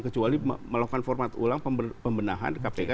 kecuali melakukan format ulang pembenahan kpk